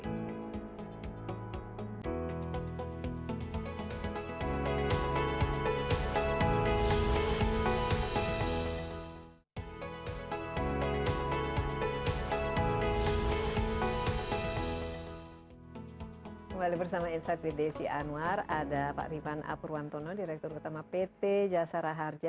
kembali bersama insight vtc anwar ada pak ariefan apurwantono direktur pertama pt jasara harja